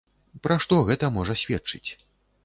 Пра што гэта можа сведчыць?